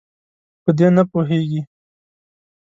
په دې نه پوهیږي.